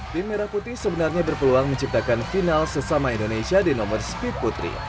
tim merah putih sebenarnya berpeluang menciptakan final sesama indonesia di nomor speed putri